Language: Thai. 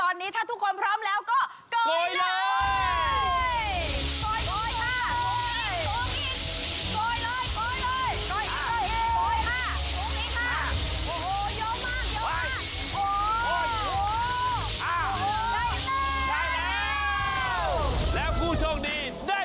ดีดีด้วยพี่น้องครับเบาแดงเขาจับจริงแจกจริงนะคะ